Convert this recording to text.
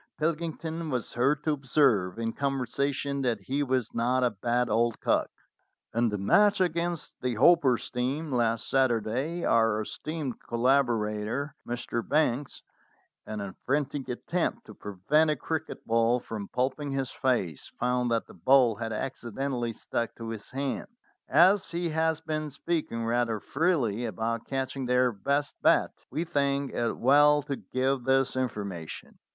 Pilkington was heard to observe in conversation that he was not a bad old cock. "In the match against the Hopper's team last Sat urday, our esteemed collaborator Mr. Banks, in a frantic attempt to prevent a cricket ball from pulping his face, found that the ball had accidentally stuck to his hands. As he has been speaking rather freely about catching their best bat, we think it well to give this information.